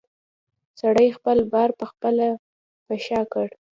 سړي خپل بار پخپله په شا کړ.